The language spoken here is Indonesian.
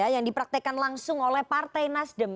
yang dipraktekan langsung oleh partai nasdem